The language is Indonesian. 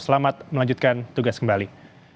selamat melanjutkan tugas kembali